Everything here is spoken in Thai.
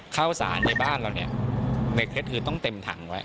ข้าวสารในบ้านเราเนี่ยในเคล็ดคือต้องเต็มถังไว้